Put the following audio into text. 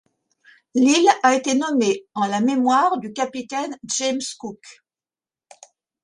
L'île a été nommée en la mémoire du capitaine James Cook.